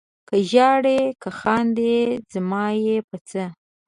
که ژاړې که خاندې زما یې په څه؟